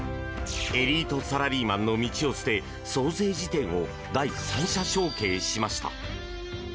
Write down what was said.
エリートサラリーマンの道を捨てソーセージ店を第三者承継しました。